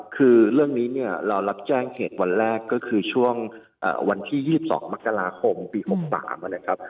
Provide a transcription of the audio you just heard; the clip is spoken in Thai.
คือเรื่องนี้เนี่ยเรารับแจ้งเหตุวันแรกก็คือช่วงวันที่๒๒มกราคมปี๖๓นะครับ